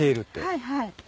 はいはい。